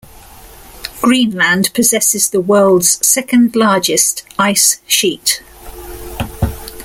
Greenland possesses the world's second largest ice sheet.